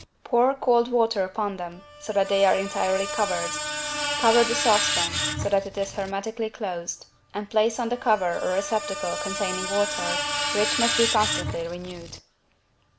Pour cold water upon them, so that they are entirely covered. Cover the saucepan so that it is hermetically closed and place on the cover a receptacle containing water, which must be constantly renewed.